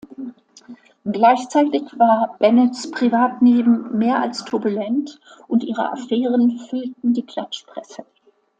Gleichzeitig war Bennetts Privatleben mehr als turbulent und ihre Affären füllten die Klatschpresse.